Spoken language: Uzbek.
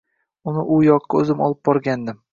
Uni u yoqqa o`zim olib borgandim